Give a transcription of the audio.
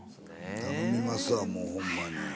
頼みますわもうホンマに。